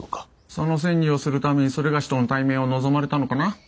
その詮議をするために某との対面を望まれたのかな？